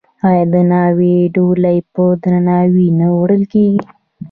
آیا د ناوې ډولۍ په درناوي نه وړل کیږي؟